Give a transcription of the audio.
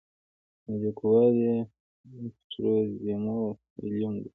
او ليکوال ئې William Mastrosimoneدے.